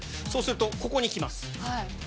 そうするとここに来ます。